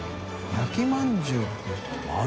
焼きまんじゅう」って？